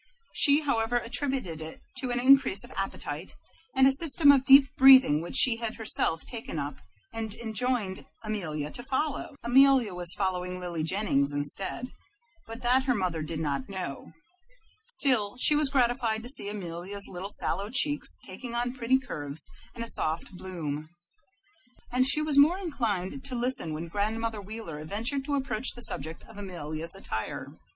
She, however, attributed it to an increase of appetite and a system of deep breathing which she had herself taken up and enjoined Amelia to follow. Amelia was following Lily Jennings instead, but that her mother did not know. Still, she was gratified to see Amelia's little sallow cheeks taking on pretty curves and a soft bloom, and she was more inclined to listen when Grandmother Wheeler ventured to approach the subject of Amelia's attire.